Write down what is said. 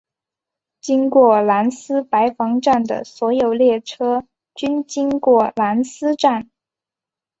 经过兰斯白房站的所有列车均经过兰斯站。